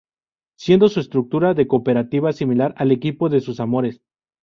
Siendo su estructura de cooperativa, similar al equipo de sus amores.